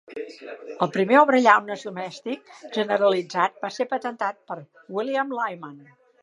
El primer obrellaunes domèstic generalitzat va ser patentat per William Lyman.